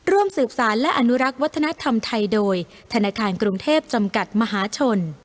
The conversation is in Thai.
ร่วมสืบสารและอนุรักษ์วัฒนธรรมไทยโดยธนาคารกรุงเทพจำกัดมหาชน